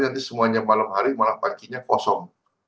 nanti semuanya malam hari malam paginya kosong